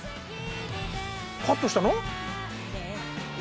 カットしたの？